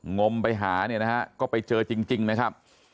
งมหาเนี่ยนะฮะก็ไปเจอจริงนะครับ